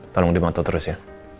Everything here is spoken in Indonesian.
tolong dimantau terus ya